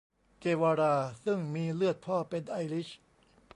เกวารา ซึ่งมีเลือดพ่อเป็นไอริช